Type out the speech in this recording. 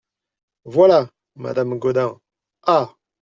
Voilà ! madame gaudin Ah !